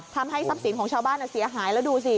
ทำให้ทรัพย์สินสารของชาวบ้านเสียหาย